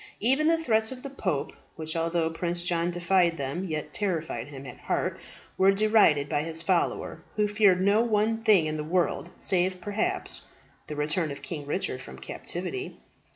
Even the threats of the pope, which although Prince John defied them yet terrified him at heart, were derided by his follower, who feared no one thing in the world, save, perhaps, the return of King Richard from captivity.